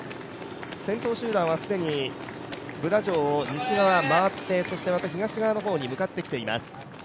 先頭集団は既にブダ城を西側回ってそしてまた東側の方に向かってきています。